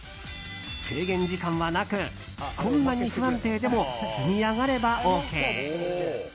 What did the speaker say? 制限時間はなくこんなに不安定でも積み上がれば、ＯＫ。